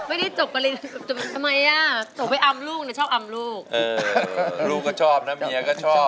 เอ้อเก็บลูกก็ชอบนะเมียก็ชอบ